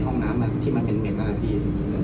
ในห้องน้ำเอ่ยที่มันเหม็นนะครับพี่